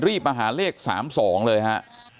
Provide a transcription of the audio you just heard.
รีบมาหาเลขสามสองเลยฮะ